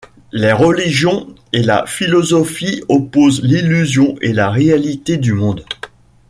Les religions et la philosophie opposent l'illusion et la réalité du monde.